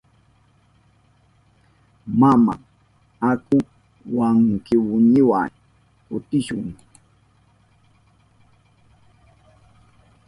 Mama, aku wawkiyniwa kutishun.